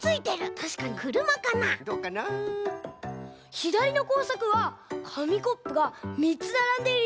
ひだりのこうさくはかみコップが３つならんでいるよ。